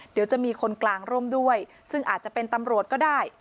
เดี๋ยวจะมีคนกลางร่วมด้วยซึ่งอาจจะเป็นตำรวจก็ได้